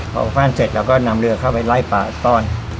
พอออกบ้านเสร็จเราก็นำเรือเข้าไปไล่ป่าต้อน